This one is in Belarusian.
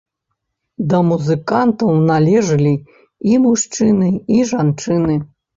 Да музыкантаў належылі і мужчыны і жанчыны.